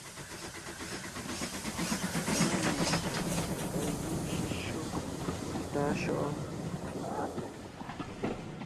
Máne ka júu shʉ́shyó tɔ̌ɔn shyɔ́ʼɔ ?